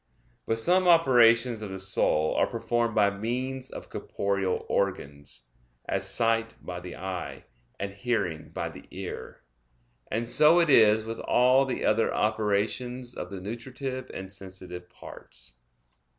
But some operations of the soul are performed by means of corporeal organs; as sight by the eye, and hearing by the ear. And so it is with all the other operations of the nutritive and sensitive parts.